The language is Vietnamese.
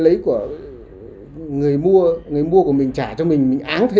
lấy của người mua người mua của mình trả cho mình mình áng thế